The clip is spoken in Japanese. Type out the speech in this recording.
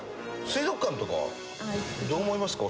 水族館とかはどう思いますか？